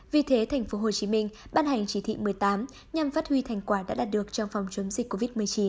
vì thế tp hcm ban hành chỉ thị một mươi tám nhằm phát huy thành quả đã đạt được trong phòng chống dịch covid một mươi chín